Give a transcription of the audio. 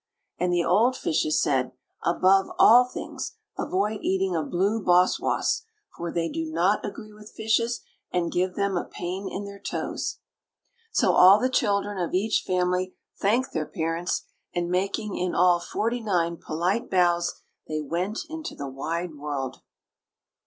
And the old fishes said: "Above all things, avoid eating a blue boss woss, for they do not agree with fishes, and give them a pain in their toes." So all the children of each family thanked their parents, and, making in all forty nine polite bows, they went into the wide world.